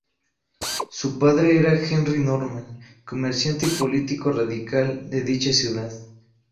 Su padre era Henry Norman, comerciante y político radical de dicha ciudad.